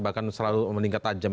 bahkan selalu meningkat tajam